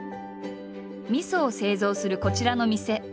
みそを製造するこちらの店。